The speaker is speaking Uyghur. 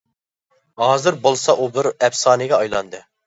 ھازىر بولسا ئۇ بىر ئەپسانىگە ئايلاندى.